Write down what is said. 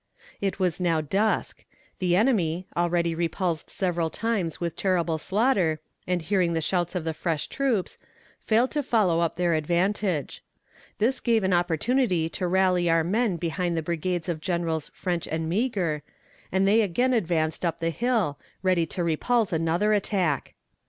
It was now dusk. The enemy, already repulsed several times with terrible slaughter, and hearing the shouts of the fresh troops, failed to follow up their advantage. This gave an opportunity to rally our men behind the brigades of Generals French and Meagher, and they again advanced up the hill, ready to repulse another attack.